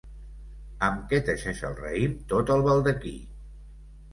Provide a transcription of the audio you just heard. Amb què teixeix el raïm tot el baldaquí?